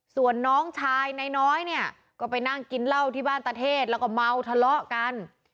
ส่วนน้องชายนายน้อยเนี่ยก็ไปนั่งกินเหล้าที่บ้านตะเทศแล้วก็เมาทะเลาะกัน